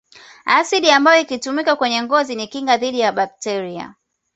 Asidi ambayo ikitumika kwenye ngozi ni kinga dhidi ya bakteria